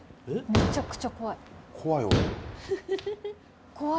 めちゃくちゃ怖い。